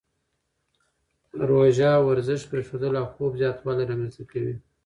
روزه ورزش پرېښودل او خوب زیاتوالی رامنځته کوي.